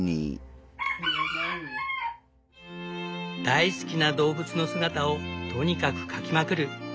大好きな動物の姿をとにかく描きまくる。